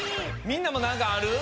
みんなもなんかある？